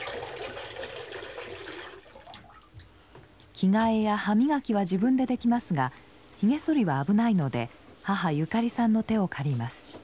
着替えや歯磨きは自分でできますがひげそりは危ないので母ゆかりさんの手を借ります。